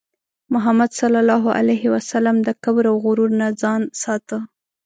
محمد صلى الله عليه وسلم د کبر او غرور نه ځان ساته.